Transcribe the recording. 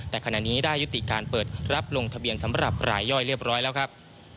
แต่ขณะนี้ได้ยุติการเปิดรับลงทะเบียนสำหรับรายย่อยเรียบร้อยแล้วครับ